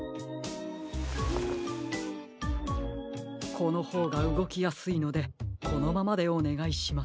このほうがうごきやすいのでこのままでおねがいします。